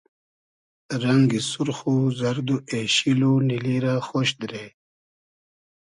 رئنگی سورخ و زئرد و اېشیل و نیلی رۂ خۉش دیرې